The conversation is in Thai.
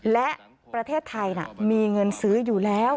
และประเทศไทยมีเงินซื้ออยู่แล้ว